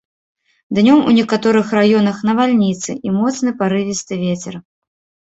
Днём у некаторых раёнах навальніцы і моцны парывісты вецер.